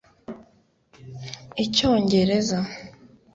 Icyongereza)